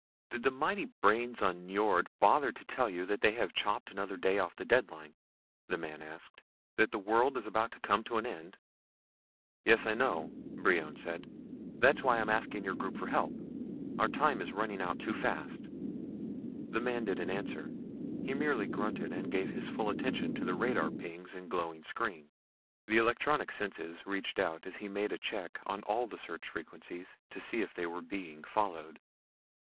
"Did the mighty brains on Nyjord bother to tell you that they have chopped another day off the deadline?" the man asked. "That this world is about to come to an end?" "Yes, I know," Brion said. "That's why I'm asking your group for help. Our time is running out too fast." The man didn't answer; he merely grunted and gave his full attention to the radar pings and glowing screen. The electronic senses reached out as he made a check on all the search frequencies to see if they were being followed.